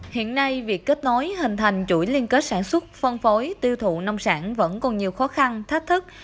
hiện nay việc kết nối hình thành chuỗi liên kết sản xuất phân phối tiêu thụ nông sản vẫn còn nhiều khó khăn thách thức